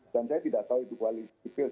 dan saya tidak tahu itu koalisi sipil